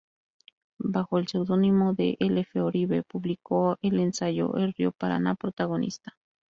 Bajo el seudónimo de L. F. Oribe publicó el ensayo El río Paraná protagonista.